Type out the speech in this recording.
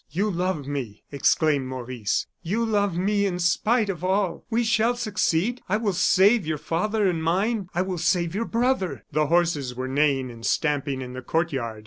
"You love me," exclaimed Maurice, "you love me in spite of all! We shall succeed. I will save your father, and mine I will save your brother!" The horses were neighing and stamping in the courtyard.